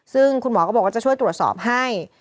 ซึ่งคุณหมอก็บอกว่าจะช่วยตรวจสอบให้